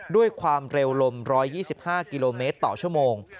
ด้วยความเร็วลม๑๒๕กิโลเมตรต่อชั่วโมง